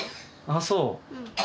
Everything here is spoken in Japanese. ああそう。